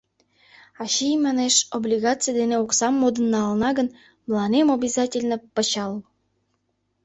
— Ачий, манеш, облигаце дене оксам модын налына гын, мыланем обязательно — пычал!